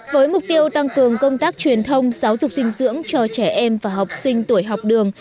với mục tiêu tăng cường công tác truyền thông giáo dục dinh dưỡng cho trẻ em và học sinh tuổi học đường